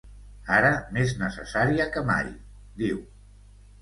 Ara més necessària que mai, diu.